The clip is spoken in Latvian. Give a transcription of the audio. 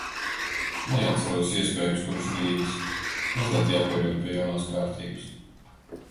Neatceros - iespējams, kopš Rīgas. Mazliet jāpierod pie jaunās kārtības.